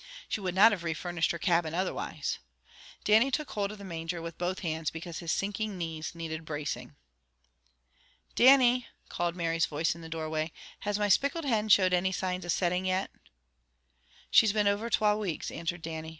She would not have refurnished her cabin otherwise. Dannie took hold of the manger with both hands, because his sinking knees needed bracing. "Dannie," called Mary's voice in the doorway, "has my spickled hin showed any signs of setting yet?" "She's been over twa weeks," answered Dannie.